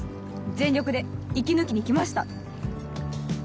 全力で息抜きに来ました！